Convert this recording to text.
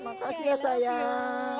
terima kasih ya sayang